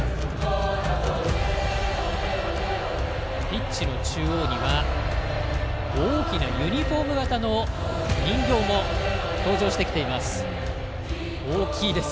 ピッチの中央には大きなユニフォーム形の人形も登場してきています。